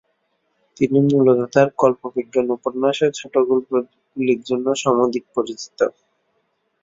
তিনি মূলত তাঁর কল্পবিজ্ঞান উপন্যাস ও ছোটোগল্পগুলির জন্য সমধিক পরিচিত।